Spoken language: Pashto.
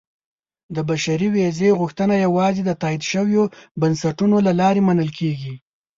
• د بشري ویزې غوښتنه یوازې د تایید شویو بنسټونو له لارې منل کېږي.